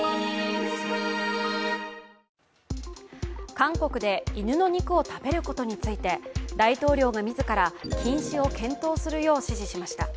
韓国で犬の肉を食べることについて大統領がみずから禁止を検討するよう指示しました。